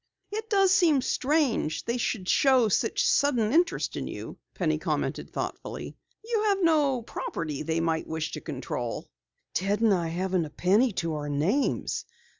"It does seem strange they should show such sudden interest in you," Penny commented thoughtfully. "You have no property they might wish to control?" "Ted and I haven't a penny to our names.